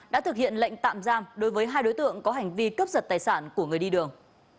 đã thực hiện lệnh tạm giam đối với hai đối tượng có hành vi cướp giật tài sản của người đi đường